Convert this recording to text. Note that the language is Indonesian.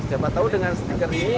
siapa tahu dengan stiker ini